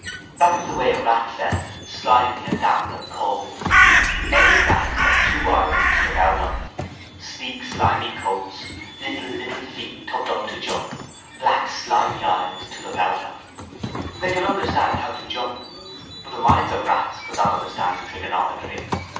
That was the way a rat felt, slimy and damp and cold. Every rat had two eyes to look out of. Sleek slimy coats, little little feet tucked up to jump, black slimy eyes to look out of. They could understand how to jump. But the minds of rats could not understand trigonometry.